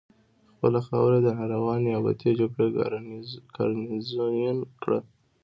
خپله خاوره یې د ناروا نیابتي جګړې ګارنیزیون کړه.